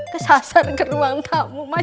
kesasar ke ruang tamu